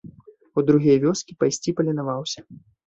У другія вёскі пайсці паленаваўся.